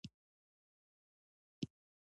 انا د کورنۍ تېر ژوند ساتي